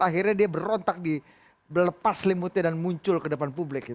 akhirnya dia berontak di melepas selimutnya dan muncul ke depan publik